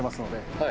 はい。